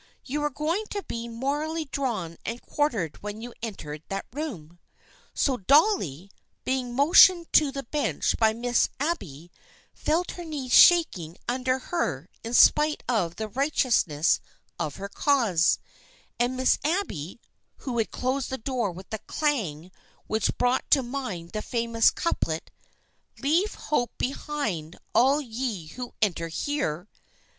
You were going to be morally drawn and quartered when you entered that room. So Dolly, being motioned to the bench by Miss Abby, felt her knees shaking under her in spite of the righteousness of her cause, and Miss Abb}^ (who had closed the door with a clang which brought to mind the famous couplet " Leave hope behind, all ye who enter here